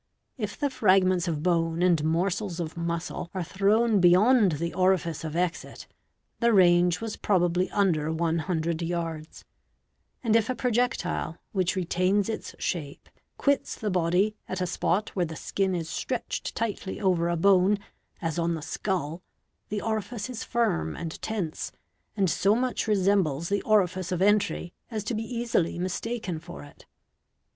If the fragments of bone and morsels of muscle are thrown beyond the orifice of exit, the range was probably under 100 yards; and if a projectile, which retains its shape, quits the body at a spot where the skin is stretched tightly over a bone, as on the skull, the orifice is firm and tense, and so much resembles the orifice of f entry as to be easily mistaken for it.